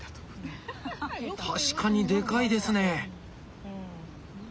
確かにでかいですね。